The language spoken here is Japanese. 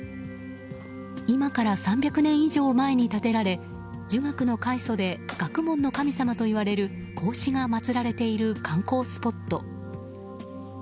今から３００年以上前に建てられ儒学の開祖で学問の神様といわれる孔子が祭られている観光スポット。